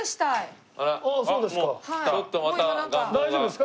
大丈夫ですか？